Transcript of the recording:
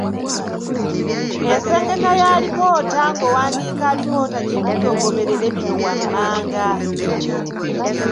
Ensengeka ya alipoota, Ng’owandiika alipoota kirungi ogoberere bino wammanga